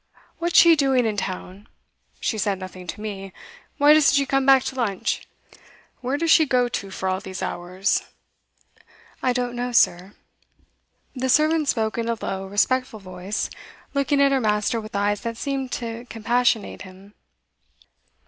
'What's she doing in town? She said nothing to me. Why doesn't she come back to lunch? Where does she go to for all these hours?' 'I don't know, sir.' The servant spoke in a low, respectful voice, looking at her master with eyes that seemed to compassionate him.